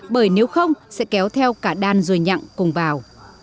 bởi nếu không sẽ kéo theo cả đàn rồi nhặn cùng vào